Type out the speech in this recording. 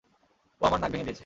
ও আমার নাক ভেঙে দিয়েছে!